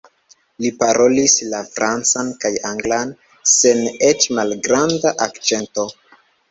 Li parolis la francan kaj anglan sen eĉ malgranda akĉento.